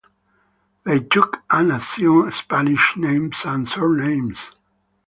They took and assumed Spanish names and surnames.